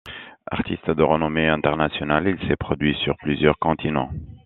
Artiste de renommée internationale, il s’est produit sur plusieurs continents.